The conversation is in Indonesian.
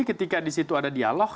ketika disitu ada dialog